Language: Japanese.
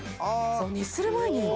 そう熱する前に。